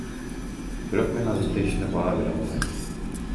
Бирок мен азыркы ишине баа бере албайм.